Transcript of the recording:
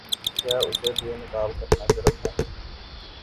کیا اسے بے نقاب کرنا جرم ہے؟